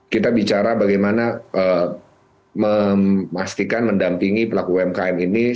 kita bicara bagaimana memastikan mendampingi pelaku umkm ini